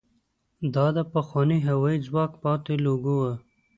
دا د پخواني هوايي ځواک پاتې لوګو وه.